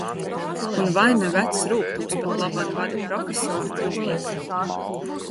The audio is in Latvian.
Un vai ne vecs rūgtums patlaban vada profesori Druvieti?